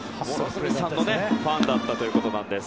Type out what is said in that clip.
ファンだったということです。